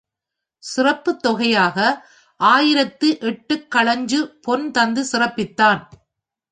சிறப்புத் தொகையாக ஆயிரத்து எட்டுக்கழஞ்சுப் பொன் தந்து சிறப்பித்தான்.